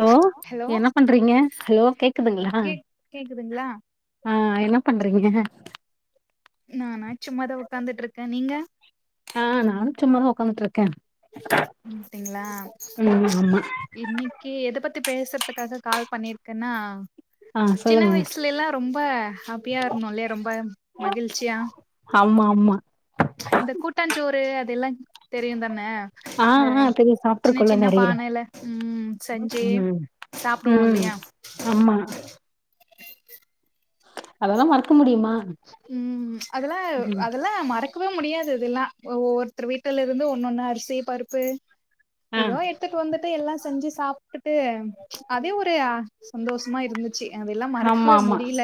hello hello என்ன பண்றீங்க hello கேக்குதுங்களா கேக் கேக்குதுங்களா ஆஹ் என்ன பண்றீங்க நானா சும்மாதான் உக்கார்ந்துட்டுருக்கேன் நீங்க ஆஹ் நானும் சும்மா உக்கார்ந்துட்டுருக்கேன் அப்டிங்களா ம் ஆமா இன்னைக்கு எதை பத்தி பேசுறதுக்காக கால் பண்ணிருக்கேன்னா ஆ சின்ன சொல்லுங்க வயசுல எல்லாம் ரொம்ப ஹாப்பியா இருந்தோம்ல்லையா ரொம்ப மகிழ்ச்சியா ஆமா ஆமா அதெல்லாம் தெரியும் தானே ஆ இந்த ஆ தெரியு சின்ன சாப்ட்ருக்கோல சின்ன நெறைய பானைல ம் செஞ்சு ம் சாப்டுவோ ம் இல்லையா அம்மா அதெல்லா மறக்க முடியுமா ம் அதெல்லா ம் அதெல்லா மறக் க்கவே முடியாது இதெல்லா ஒவ்வொருத்தரு வீட்டுல இருந்து ஒன்னு ஒன்னா அரிசி பருப்பு ஆ எதோ எட்த்துட்டு வந்துட்டு எல்லா செஞ்சு சாப்ட்டுட்டு அதே ஒரு ஆ சந்தோசமா இருந்துச்சு அதெல்லா ஆமா மறக்கவே ஆமா முடியில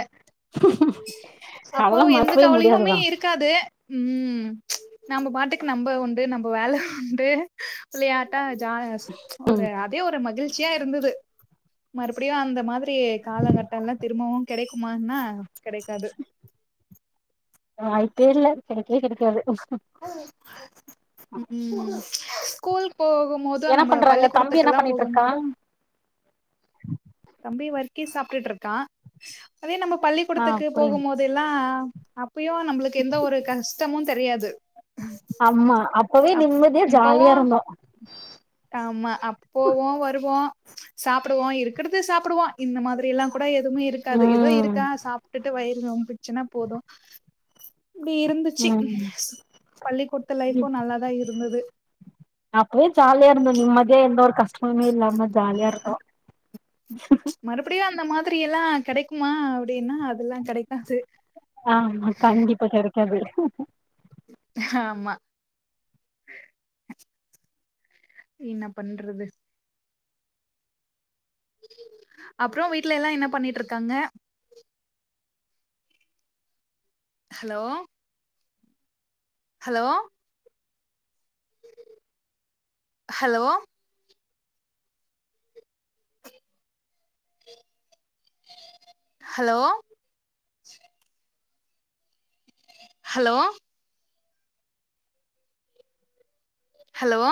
அப்போ அதெல்லா எந்த மறக்கவே கவலையுமே முடியாதுதா இருக்காது ம் நம்ப பாட்டுக்கு நம்ப உண்டு நம்ப வேல உண்டு விளையாட்டா யாஸ் ம் ஒரு அதே ஒரு மகிழ்ச்சியா இருந்தது மறுபடியு அந்த மாதிரி காலங்கட்டலா திரும்பவு கெடைக்குமான்னா கெடைக்காது வாய்ப்பே இல்ல கெடைக்கவே கெடைக்காது ம்ம் என்ன பண்றாங்க தம்பி என்ன போகும் பண்ணிட்ருக்கா போது தம்பி வர்க்கி சாப்ட்டுட்ருக்கா அதே நம்ம ஆ பள்ளிக்கூடத்துக்கு அப்டின் போகும் போதெல்லா அப்பயு நம்பளுக்கு எந்த ஒரு கஷ்டமு தெரியாது ஆமா அப்பவே நிம்மதியா அப்பவு ஜாலியா இருந்தோ ஆமா அ போவோ வருவோ சாப்டுவோ இருக்கிறது சாப்டுவோ இந்த மாதிரியெல்லா கூட எதுவுமே இருக்காது எதோ ம் இருக்கா சாப்ட்டுட்டு வயிறு நொம்புச்சுன்னா போது இப்டி இருந்துச்சு ம் பள்ளிக்கூட்த்து லைஃபு நல்லாதா இருந்தது அப்பவே ஜாலியா இருந்தோ நிம்மதியா எந்த ஒரு கஷ்டமே இல்லாம ஜாலியா இருந்தோ மறுபடியு அந்த மாதிரியெல்லா கெடைக்குமா அப்டின்னா அதெல்லா கெடைக்காது ஆமா கண்டிப்பா கெடைக்காது ஆமா என்ன பண்றது அப்றோ வீட்ல எல்லா என்ன பண்ணிட்ருக்காங்க hello hello hello hello hello hello